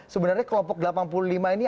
sebenarnya kelompok delapan puluh lima ini